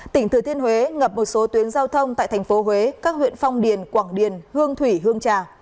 tỉnh thừa thiên huế ngập một số tuyến giao thông tại thành phố huế các huyện phong điền quảng điền hương thủy hương trà